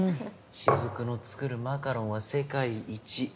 雫の作るマカロンは世界一。